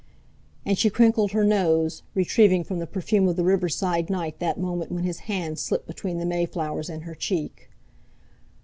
And she crinkled her nose, retrieving from the perfume of the riverside night that moment when his hand slipped between the mayflowers and her cheek.